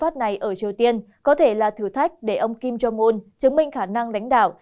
triều tiên có thể là thử thách để ông kim jong un chứng minh khả năng lãnh đạo